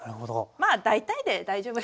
まあ大体で大丈夫です。